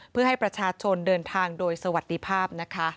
เพื่อให้ประชาชนเดินทางโดยสวัสดีภาพนะคะ